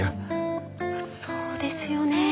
そうですよね。